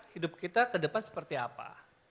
hidup kita ke depan seperti apa